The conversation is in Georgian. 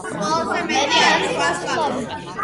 ყველაზე მეტი არის ვარსკვლავი.